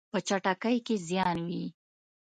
په چټکۍ کې زیان وي.